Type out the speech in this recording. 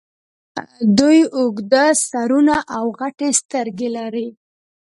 دوی اوږده سرونه او غټې سترګې لرلې